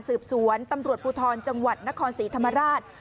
สืบสวนตำรวจภูทรจังหวัดนครศรีธรรมราช